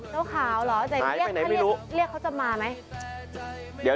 เจ้าขาวเหรอแต่เรียกถ้าเรียกเขาจะมาไหม